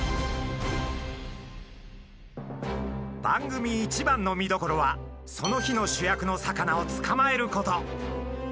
番組一番の見どころはその日の主役の魚を捕まえること。